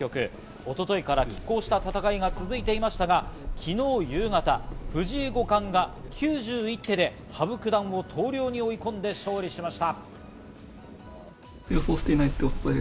一昨日から拮抗した戦いが続いていましたが、昨日夕方、藤井五冠が９１手で羽生九段を投了に追い込んで勝利しました。